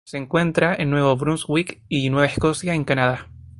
Se encuentra en Nuevo Brunswick y Nueva Escocia en Canadá.